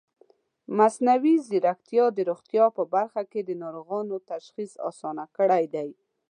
مصنوعي ځیرکتیا د روغتیا په برخه کې د ناروغانو تشخیص اسانه کړی دی.